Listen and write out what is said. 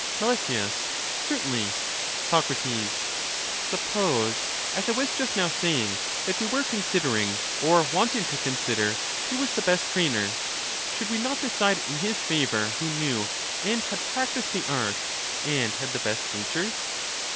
Mel, Certainly. Soc, Suppose, as I was just now saying, that we were considering, or wanting to consider, who was the best trainer. Should we not decide in his favor who knew and had practised the art, and had the best teachers